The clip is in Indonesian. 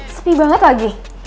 sepi banget lagi